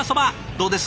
どうです？